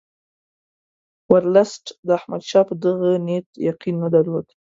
ورلسټ د احمدشاه په دغه نیت یقین نه درلود.